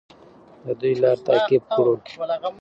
د دوی لار تعقیب کړو.